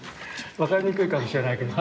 分かりにくいかもしれないけど。